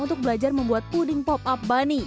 untuk belajar membuat puding pop up bunny